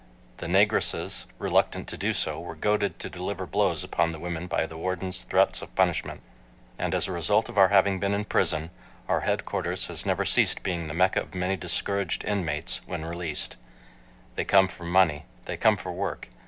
The negresses, reluctant to do so, were goaded to deliver blows upon the women by the warden's threats of punishment. And as a result of our having been in prison, our headquarters has never ceased being the mecca of many discouraged "inmates," when released. They come for money. They come for work.